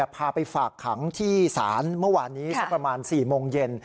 พาไปฝากขังที่ศาลเมื่อวานนี้สักประมาณ๔โมงเย็น